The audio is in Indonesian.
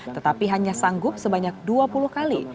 tetapi hanya sanggup sebanyak dua puluh kali